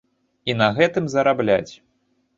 І на гэтым зарабляць.